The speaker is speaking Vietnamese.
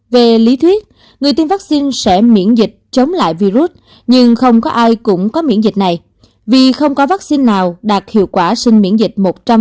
về lý thuyết người tiêm vaccine sẽ miễn dịch chống lại virus nhưng không có ai cũng có miễn dịch này vì không có vaccine nào đạt hiệu quả sinh miễn dịch một trăm linh